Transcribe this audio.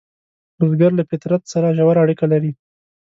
بزګر له فطرت سره ژور اړیکه لري